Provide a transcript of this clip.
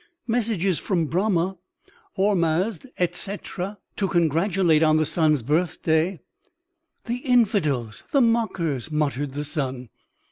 "Messages from Brahma, Ormuzd, etc., to congratulate on the son's birthday." "The infidels! the mockers!" muttered the son.